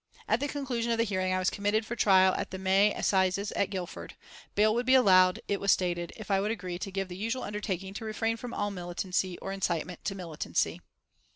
At the conclusion of the hearing I was committed for trial at the May Assizes at Guildford. Bail would be allowed, it was stated, if I would agree to give the usual undertaking to refrain from all militancy or incitement to militancy.